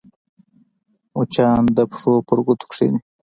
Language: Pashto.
مچان د پښو پر ګوتو کښېني